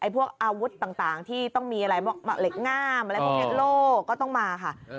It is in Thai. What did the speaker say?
พวกอาวุธต่างที่ต้องมีอะไรพวกเหล็กงามอะไรพวกนี้โล่ก็ต้องมาค่ะ